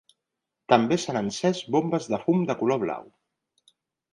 També s’han encès bombes de fum de color blau.